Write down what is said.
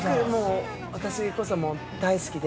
◆私こそ、もう大好きで。